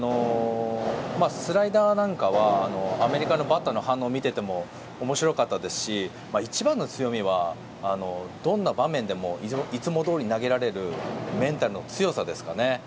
スライダーなんかはアメリカのバッターの反応を見てても面白かったですし一番の強みはどんな場面でもいつもどおり投げられるメンタルの強さですかね。